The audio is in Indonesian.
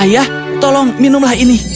ayah tolong minumlah ini